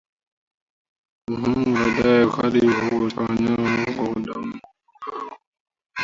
na baadaye kupitishwa hadi kwa mnyama mwingine atakaenyonywa damu na kupe huyo huyo